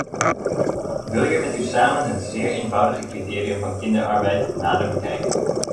Ik wil hier met u samen het zeer eenvoudige criterium van kinderarbeid nader bekijken.